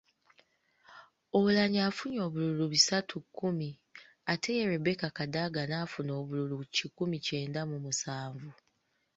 Oulanyah afunye obululu bisatu kkumi ate ye Rebecca Kadaga n’afuna obululu kikumi kyenda mu musanvu.